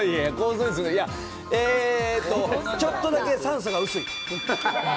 ちょっとだけ酸素が薄い。